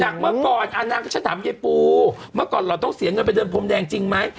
เมื่อก่อนนางก็จะถามยายปูเมื่อก่อนเราต้องเสียเงินไปเดินพรมแดงจริงไหม